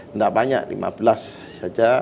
tidak banyak lima belas saja